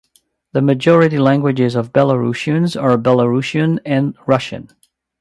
The majority languages of Belarusians are Belarusian and Russian.